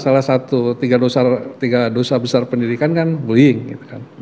salah satu tiga dosa besar pendidikan kan bullying gitu kan